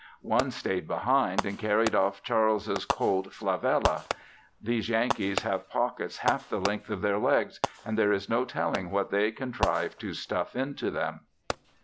One stayed behind and carried off Charles's colt "Flavella." These Yankees have pockets half the length of their legs and there is no telling what they contrive to stuff into them.